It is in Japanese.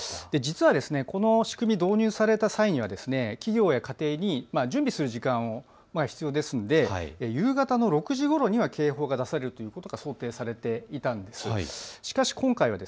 実はこの仕組み、導入された際には企業や家庭に準備する時間も必要ですので夕方の６時ごろには警報が出されるということは想定されていたんです。